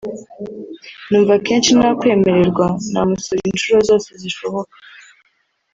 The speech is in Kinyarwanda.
numva kenshi nakwemererwa namusura inshuro zose zishoboka